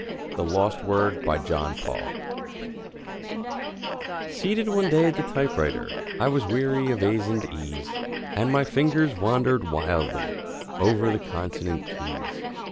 THE LOST WORD BY JOHN PAUL Seated one day at the typewriter, I was weary of a's and e's, And my fingers wandered wildly, Over the consonant keys.